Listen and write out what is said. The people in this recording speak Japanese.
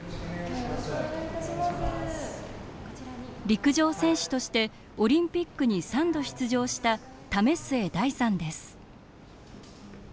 陸上選手としてオリンピックに３度出場した為末大さんです